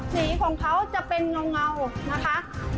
สีของเขาจะเป็นเงานะคะ